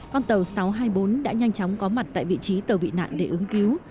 con tàu sáu trăm hai mươi bốn đã nhanh chóng có mặt tại vị trí tàu bị nạn để ứng cứu